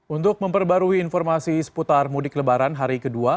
untuk memperbarui informasi seputar mudik lebaran hari kedua